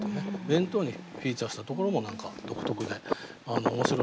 弁当にフィーチャーしたところも何か独特で面白いですし。